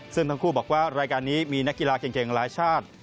ซึ่งทั้งคู่บอกว่ารายการนี้มีนักกีฬาเก่งหลายชาติ